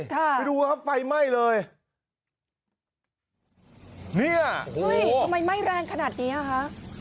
ไปดูครับไฟไหม้เลยเนี่ยเฮ้ยทำไมไหม้แรงขนาดเนี้ยฮะ